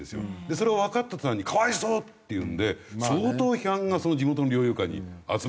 それがわかった途端に可哀想！っていうんで相当批判がその地元の猟友会に集まった。